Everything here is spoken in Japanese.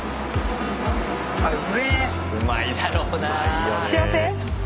うまいだろうなぁ。